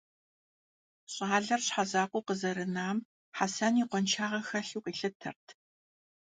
Щӏалэр щхьэзакъуэу къызэрынам Хьэсэн и къуэншагъэ хэлъу къилъытэрт.